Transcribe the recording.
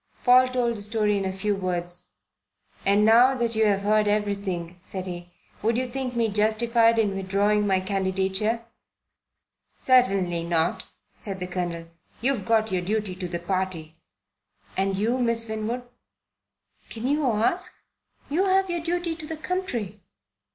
Paul told the story in a few words. "And now that you have heard everything," said he, "would you think me justified in withdrawing my candidature?" "Certainly not," said the Colonel. "You've got your duty to the Party." "And you, Miss Winwood?" "Can you ask? You have your duty to the country."